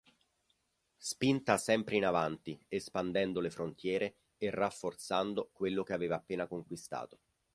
Spinta sempre in avanti, espandendo le frontiere, e rafforzando quello che aveva appena conquistato.